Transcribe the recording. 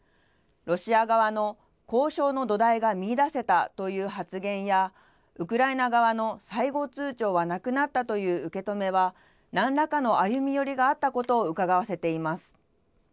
ロシア側の、交渉の土台が見いだせたという発言や、ウクライナ側の最後通ちょうはなくなったという受け止めは、なんらかの歩み寄りがあったことをうかがわせています。